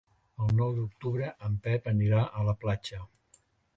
El nou d'octubre en Pep anirà a la platja.